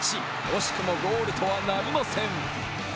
惜しくもゴールとはなりません。